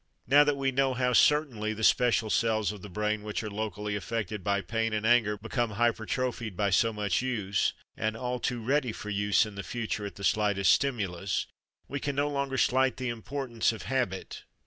Now that we know how certainly the special cells of the brain which are locally affected by pain and anger become hypertrophied by so much use, and all too ready for use in the future at the slightest stimulus, we can no longer slight the importance of habit.